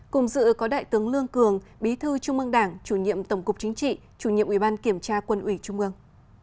cùng dự có đại tướng lương cường bí thư trung ương đảng chủ nhiệm tổng cục chính trị chủ nhiệm ủy ban kiểm tra quân ủy trung ương